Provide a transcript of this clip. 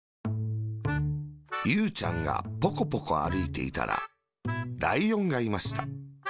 ゆうちゃんがポコポコあるいていたら、ライオンがいました。